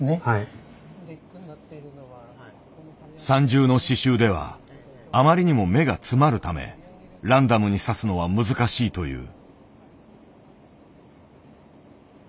３重の刺しゅうではあまりにも目が詰まるためランダムに刺すのは難しいという。